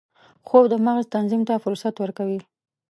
خوب د مغز تنظیم ته فرصت ورکوي